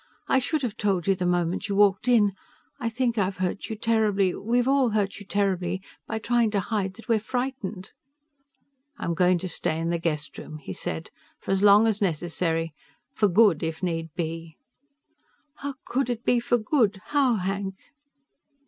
I should have told you that the moment you walked in. I think I've hurt you terribly, we've all hurt you terribly, by trying to hide that we're frightened." "I'm going to stay in the guest room," he said, "for as long as necessary. For good if need be." "How could it be for good? How, Hank?"